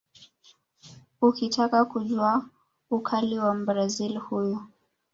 Ukitakata kujua ukali wa Mbrazil huyu